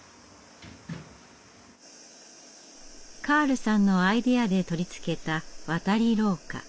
カールさんのアイデアで取り付けた渡り廊下。